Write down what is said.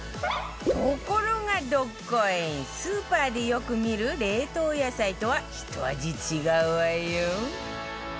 ところがどっこいスーパーでよく見る冷凍野菜とはひと味違うわよ